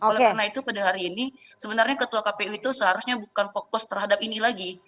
oleh karena itu pada hari ini sebenarnya ketua kpu itu seharusnya bukan fokus terhadap ini lagi